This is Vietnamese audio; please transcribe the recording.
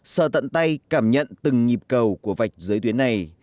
sờ tận tay cảm nhận từng nhịp cầu của vạch dưới tuyến này